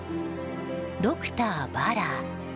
ドクター・バラー。